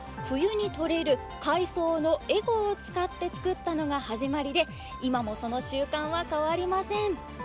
冬にとれる海藻のエゴを使って作ったのが始まりで今もその習慣は変わりません。